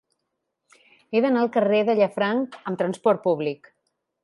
He d'anar al carrer de Llafranc amb trasport públic.